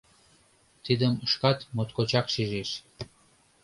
Тидым шкат моткочак шижеш.